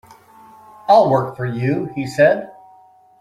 "I'll work for you," he said.